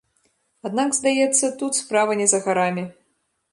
Аднак, здаецца, тут справа не за гарамі.